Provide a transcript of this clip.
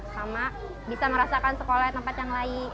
sama bisa merasakan sekolah tempat yang lain